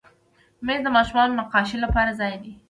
مېز د ماشومانو نقاشۍ لپاره ځای دی.